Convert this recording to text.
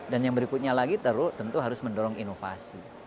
dan yang berikutnya lagi tentu harus mendorong inovasi